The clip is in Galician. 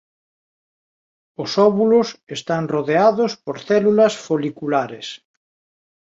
Os óvulos están rodeados por células foliculares.